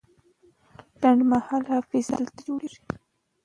لنډمهاله حافظه همدلته جوړیږي.